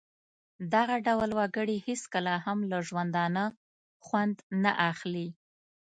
دغه ډول وګړي هېڅکله هم له ژوندانه خوند نه اخلي.